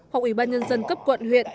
hoặc ủy ban nhân dân cấp quận huyện